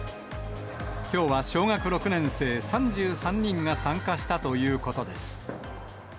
きょうは小学６年生３３人が参加したということです。